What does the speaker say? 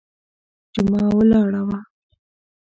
جمعه ولاړه وه.